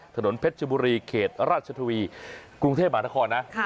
ถนนเพชรชบุรีเขตราชทวีกรุงเทพมหานครนะ